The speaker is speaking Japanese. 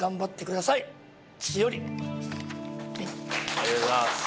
ありがとうございます。